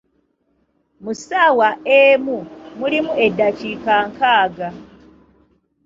Mu ssaawa emu mulimu eddakiika nkaaga.